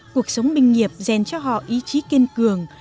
cuộc sống binh nghiệp dành cho họ ý chí kiên cường